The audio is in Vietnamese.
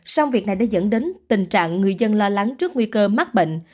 song việc này đã dẫn đến tình trạng người dân lo lắng trước nguy cơ mắc bệnh